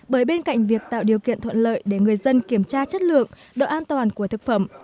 bởi bên cạnh việc tạo điều kiện thuận lợi để người dân kiểm tra chất lượng độ an toàn của thực phẩm